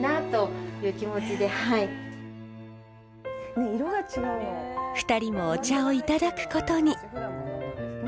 こちらの２人もお茶をいただくことに。